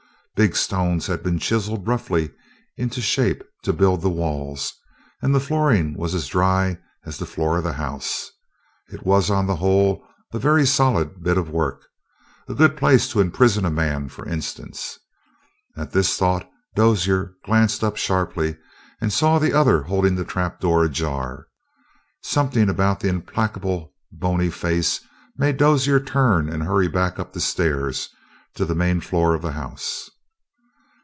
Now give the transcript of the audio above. Big stones had been chiseled roughly into shape to build the walls, and the flooring was as dry as the floor of the house. It was, on the whole, a very solid bit of work. A good place to imprison a man, for instance. At this thought Dozier glanced up sharply and saw the other holding the trapdoor ajar. Something about that implacable, bony face made Dozier turn and hurry back up the stairs to the main floor of the house.